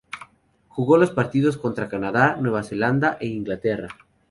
Jugó los partidos contra Canadá, Nueva Zelanda e Inglaterra.